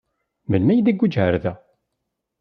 Melmi ay d-iguǧǧ ɣer da?